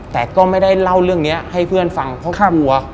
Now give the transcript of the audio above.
แต่ก็ไม่ได้เล่าเรื่องนี้ให้เพื่อนฟังเพราะกลัว